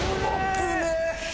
危ねえ！